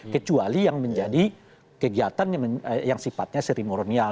kecuali yang menjadi kegiatan yang sifatnya seri monomial